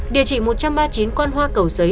địa chỉ một trăm ba mươi chín quan hoa cầu giấy